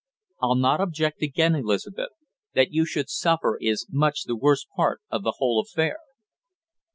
"I'll not object again, Elizabeth; that you should suffer is much the worst part of the whole affair!"